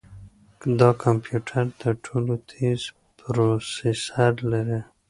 دا کمپیوټر تر ټولو تېز پروسیسر لري.